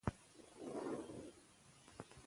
د حق په لاره کې دې چلیږي.